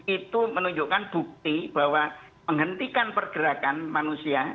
itu menunjukkan bukti bahwa menghentikan pergerakan manusia